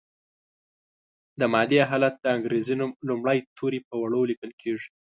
د مادې حالت د انګریزي نوم لومړي توري په وړو لیکل کیږي.